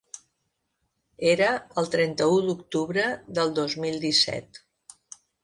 Era el trenta-u d’octubre del dos mil disset.